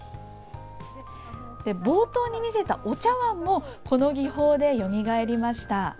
冒頭に見せたお茶碗もこの技法でよみがえりました。